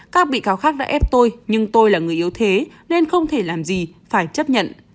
các bị cáo khác đã ép tôi nhưng tôi là người yếu thế nên không thể làm gì phải chấp nhận